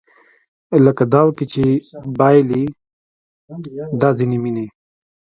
لکه داو کې چې بایلي دا ځینې مینې